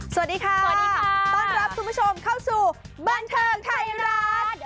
สวัสดีค่ะสวัสดีค่ะต้อนรับคุณผู้ชมเข้าสู่บันเทิงไทยรัฐ